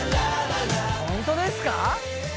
本当ですか！？